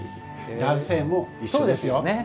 男性も一緒ですよ！